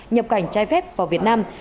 nhập cảnh trai phép vào việt nam